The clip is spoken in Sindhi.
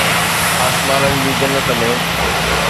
آسمانن جي جنت ۾